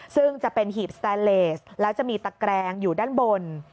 ซึ่งจะเป็นหีบสแตนเลสแล้วจะมีตะแกรงอยู่ด้านบน